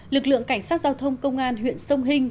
lực lượng cảnh sát giao thông công an huyện sông hình